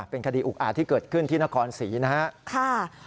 เป็นคดีอุกอาจที่เกิดขึ้นที่นครศรีนะครับ